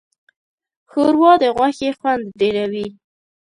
ښوروا د غوښې خوند ډېروي.